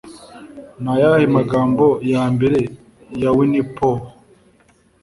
Ni ayahe magambo Yambere ya Winnie Pooh